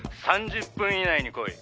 「３０分以内に来い。